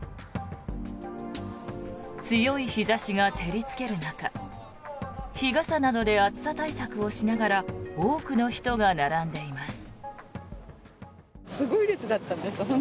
強い日差しが照りつける中日傘などで暑さ対策をしながら多くの人が並んでいます。